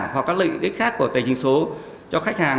hoặc các lợi ích khác của tài chính số cho khách hàng